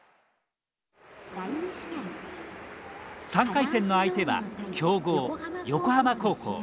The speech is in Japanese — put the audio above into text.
３回戦の相手は強豪横浜高校。